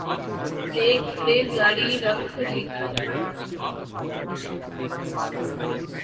ریزگاری رکھ لیجئے